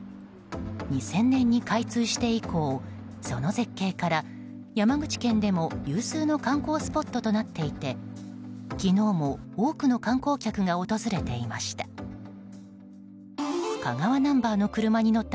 ２０００年に開通して以降その絶景から山口県でも有数の観光スポットとなっていて昨日も多くの観光客が訪れていました。